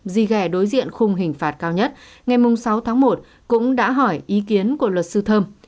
di ghẻ đối diện khung hình phạt cao nhất ngày sáu tháng một cũng đã hỏi ý kiến của luật sư thâm